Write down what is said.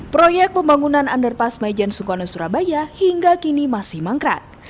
proyek pembangunan underpass majen sukono surabaya hingga kini masih mangkrak